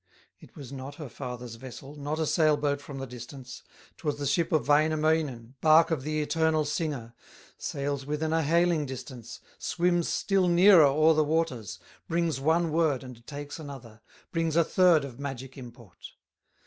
It was not her father's vessel, Not a sail boat from the distance, 'Twas the ship of Wainamoinen, Bark of the eternal singer; Sails within a hailing distance, Swims still nearer o'er the waters, Brings one word and takes another, Brings a third of magic import.